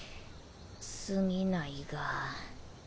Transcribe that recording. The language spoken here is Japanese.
過ぎないが。